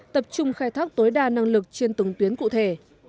tập trung khai thác tối đa năng lực trên từng tuyến cụ thể